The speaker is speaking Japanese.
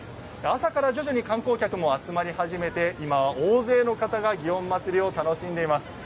朝から徐々に観光客も集まり始めて今は大勢の方が祇園祭を楽しんでいます。